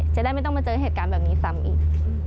จะได้ไม่ต้องมาเจอเหตุการณ์แบบนี้ซ้ำอีก